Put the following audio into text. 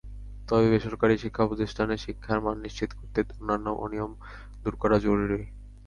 তবে বেসরকারি শিক্ষাপ্রতিষ্ঠানে শিক্ষার মান নিশ্চিত করতে অন্যান্য অনিয়ম দূর করাও জরুরি।